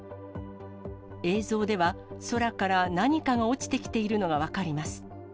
映像では、空から何かが落ちてきているのが分かります。